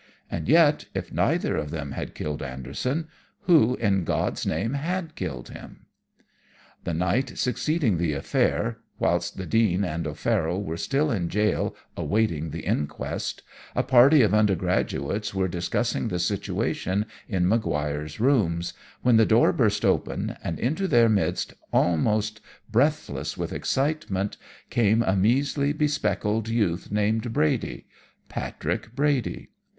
And yet if neither of them had killed Anderson, who in God's name had killed him? "The night succeeding the affair, whilst the Dean and O'Farroll were still in jail awaiting the inquest, a party of undergraduates were discussing the situation in Maguire's rooms, when the door burst open, and into their midst, almost breathless with excitement, came a measly, bespectacled youth named Brady Patrick Brady.